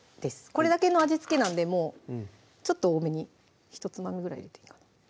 これだけの味付けなんでもうちょっと多めにひとつまみぐらい入れていいかな